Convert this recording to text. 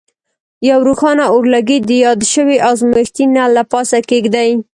یو روښانه اورلګیت د یاد شوي ازمیښتي نل له پاسه کیږدئ.